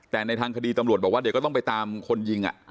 แต่ในทางคดีตำรวจบอกว่าเดี๋ยวก็ต้องไปตามคนยิง